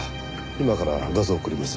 今から画像送ります。